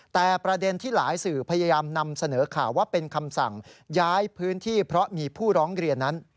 แต่ประเด็นที่หลายสื่อพยายามนำเสนอข่าวว่าเป็นคำสั่งย้ายพื้นที่เพราะมีผู้ร้องเรียนนั้น